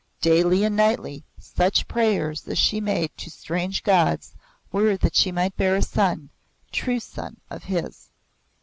Daily and nightly such prayers as she made to strange gods were that she might bear a son, true son of his.